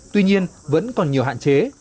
tuy nhiên vẫn còn nhiều hạn chế